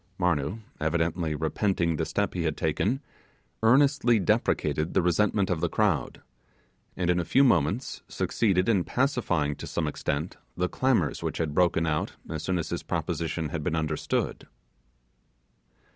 Marnoo, evidently repenting the step he had taken, earnestly deprecated the resentment of the crowd, and, in a few moments succeeded in pacifying to some extent the clamours which had broken out as soon as his proposition had been understood.